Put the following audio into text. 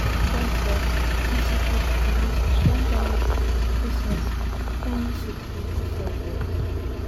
Wentworth instituted the use of chain gangs of prisoners in the city as laborers.